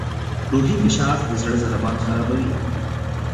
روحي فشار د زړه ضربان خرابوي.